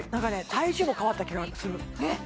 体重も変わった気がするえっ？